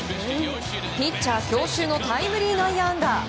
ピッチャー強襲のタイムリー内野安打！